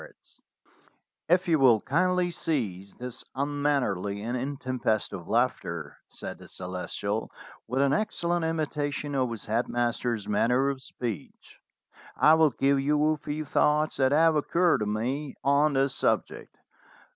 THE CELESTIAL'S EDITORSHIP 229 "If you will kindly cease this unmannerly and in tempestive laughter," said the Celestial, with an excel lent imitation of his head master's manner of speech, "I will give you a few thoughts that have occurred to me on this subject.